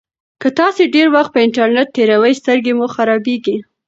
که تاسي ډېر وخت په انټرنيټ تېروئ سترګې مو خرابیږي.